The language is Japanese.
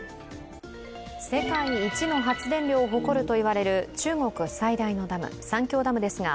世界一の発電量を誇ると言われる中国最大のダム三峡ダムですが、